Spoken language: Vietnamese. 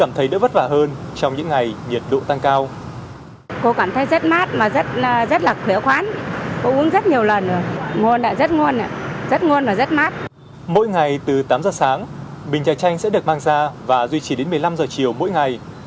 mỗi ngày từ tám giờ sáng bình trà tranh sẽ được mang ra và duy trì đến một mươi năm giờ chiều mỗi ngày